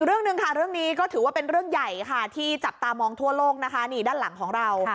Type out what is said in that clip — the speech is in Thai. เรื่องหนึ่งค่ะเรื่องนี้ก็ถือว่าเป็นเรื่องใหญ่ค่ะที่จับตามองทั่วโลกนะคะนี่ด้านหลังของเรา